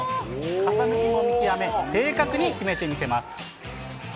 風向きも見極め、正確に決めてみせます。